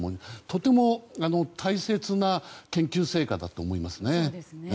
とても大切な研究成果だと思いますね。